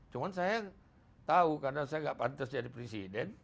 cuma saya tahu karena saya gak pantas jadi presiden